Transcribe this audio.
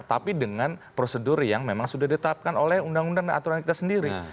tapi dengan prosedur yang memang sudah ditetapkan oleh undang undang dan aturan kita sendiri